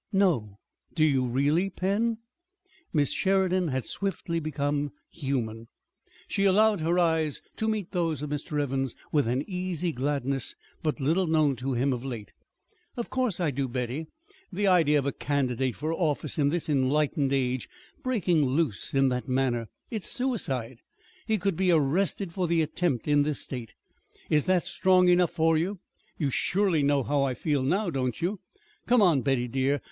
"No! Do you really, Pen?" Miss Sheridan had swiftly become human. She allowed her eyes to meet those of Mr. Evans' with an easy gladness but little known to him of late. "Of course I do, Betty. The idea of a candidate for office in this enlightened age breaking loose in that manner! It's suicide. He could be arrested for the attempt in this State. Is that strong enough for you? You surely know how I feel now, don't you? Come on, Betty dear!